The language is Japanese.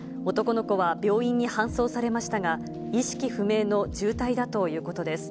男の子は病院に搬送されましたが、意識不明の重体だということです。